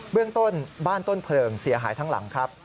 เรื่องต้นบ้านต้นเพลิงเสียหายทั้งหลังครับ